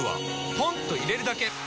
ポンと入れるだけ！